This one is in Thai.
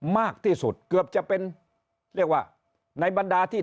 มากที่สุดเกือบจะเป็นเรียกว่าในบรรดาที่